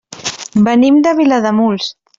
Venim de Vilademuls.